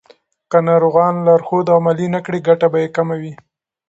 که ناروغان لارښود عملي نه کړي، ګټه به یې کمه وي.